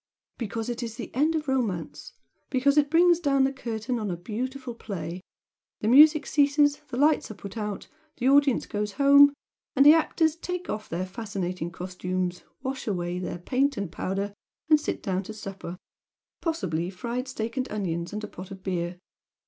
"Because it is the end of romance! Because it rings down the curtain on a beautiful Play! The music ceases the lights are put out the audience goes home, and the actors take off their fascinating costumes, wash away their paint and powder and sit down to supper possibly fried steak and onions and a pot of beer.